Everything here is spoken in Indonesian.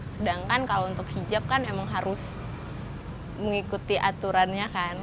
sedangkan kalau untuk hijab kan emang harus mengikuti aturannya kan